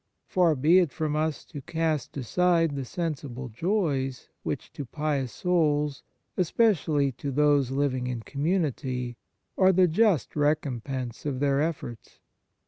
Far be it from us to cast aside the sensible joys, which, to pious souls, especially to those living in commu nity, are the just recompense of their efforts.